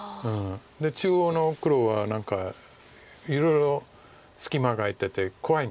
中央の黒は何かいろいろ隙間が空いてて怖いんです。